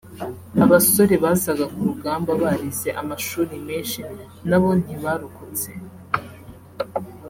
Abasore bazaga ku rugamba barize amashuli menshi nabo ntibarokotse